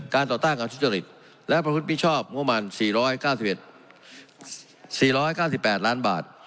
๑การต่อตั้งการชุดจริตและประพฤติมิชชอบโมงประมาณ๔๙๘ล้านบาท